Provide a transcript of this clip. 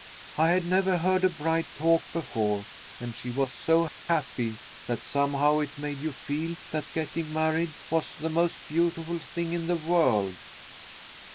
I had never heard a bride talk before, and she was so happy that somehow it made you feel that getting married was the most beautiful thing in the world.